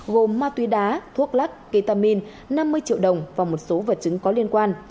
gồm ma túy đá thuốc lắc ketamin năm mươi triệu đồng và một số vật chứng có liên quan